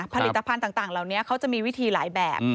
ผลิตภัณฑ์ต่างเหล่านี้เขาจะมีวิธีหลายแบบ